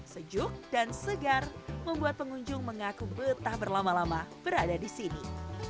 sejuk dan segar membuat pengunjung mengaku betah berlama lama berada di sini